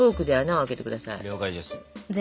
了解です。